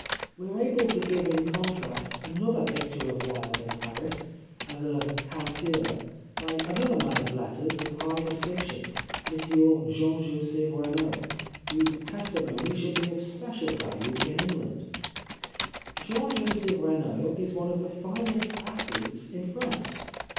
We are able to give in contrast another picture of Wilde in Paris, as a causeur, by another man of letters of high dis tinction, Monsieur Jean Joseph Renaud, whose testimony should be of special value in England. Jean Joseph Renaud is one of the finest athletes in France.